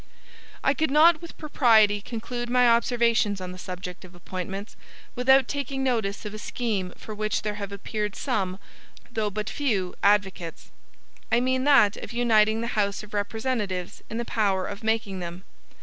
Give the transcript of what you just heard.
I could not with propriety conclude my observations on the subject of appointments without taking notice of a scheme for which there have appeared some, though but few advocates; I mean that of uniting the House of Representatives in the power of making them.